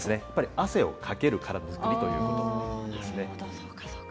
汗をかける体作りということですね。